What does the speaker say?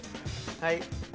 はい。